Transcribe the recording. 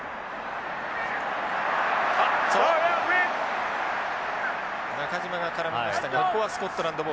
あっと中島が絡みましたがここはスコットランドボール。